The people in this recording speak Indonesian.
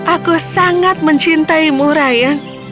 aku sangat mencintaimu ryan